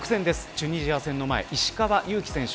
チュニジア戦前、石川祐希選手